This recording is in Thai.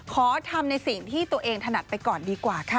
ขอทำในสิ่งที่ตัวเองถนัดไปก่อนดีกว่าค่ะ